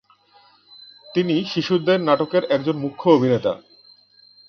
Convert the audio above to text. তিনি শিশুদের নাটকের একজন মুখ্য অভিনেতা।